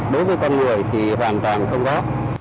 đối với con người thì hoàn toàn không có